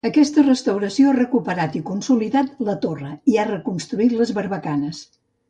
Aquesta restauració ha recuperat i consolidat la torre i ha reconstruït les barbacanes.